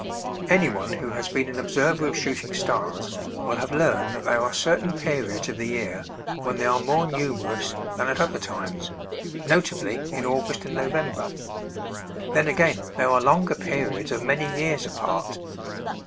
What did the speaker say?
Anyone who has been an observer of shooting stars will have learned that there are certain periods of the year when they are more numerous than at other times; notably in August and November. Then again there are longer periods of many years apart.